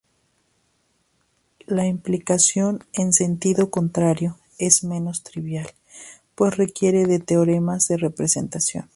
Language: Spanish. La implicación en sentido contrario es menos trivial, pues requiere de teoremas de representación.